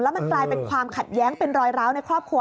มันกลายเป็นความขัดแย้งเป็นรอยร้าวในครอบครัว